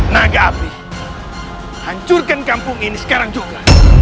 naga api hancurkan kampung ini sekarang juga